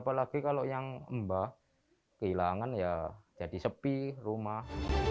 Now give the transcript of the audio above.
apalagi kalau yang mbah kehilangan ya jadi sepi rumah